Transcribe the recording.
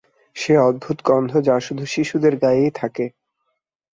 সেই অদ্ভুত গন্ধ যা শুধু শিশুদের গায়েই থাকে।